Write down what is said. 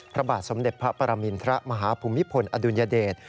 พระบาทสมเด็จพระปรมินทรมาฮภูมิพลอดุลยเดช